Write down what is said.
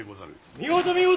見事見事！